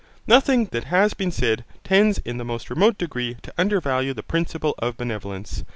Nothing that has been said tends in the most remote degree to undervalue the principle of benevolence.